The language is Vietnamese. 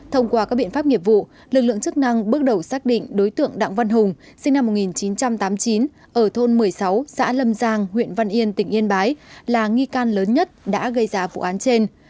thông qua các biện pháp nghiệp vụ lực lượng chức năng bước đầu xác định đối tượng đặng văn hùng sinh năm một nghìn chín trăm tám mươi chín ở thôn một mươi sáu xã lâm giang huyện văn yên tỉnh yên bái là nghi can lớn nhất đã gây ra vụ án trên